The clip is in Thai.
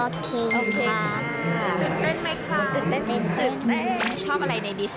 สตารวอล